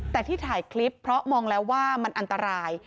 แต่ที่ถ่ายคลิปเพราะมองแล้วว่ามันอันตราย